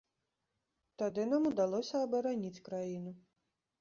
Тады нам удалося абараніць краіну.